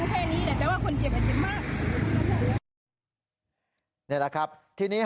เพราะถูกทำร้ายเหมือนการบาดเจ็บเนื้อตัวมีแผลถลอก